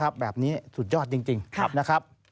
แบบนี้สุดยอดจริงนะครับ